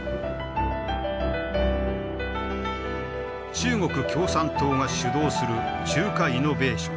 中国共産党が主導する中華イノベーション。